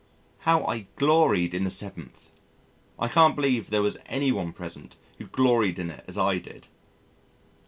How I gloried in the Seventh! I can't believe there was any one present who gloried in it as I did!